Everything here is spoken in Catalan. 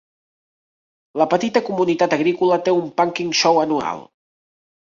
La petita comunitat agrícola té un "Punkin' Show" anual.